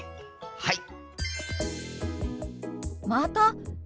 はい！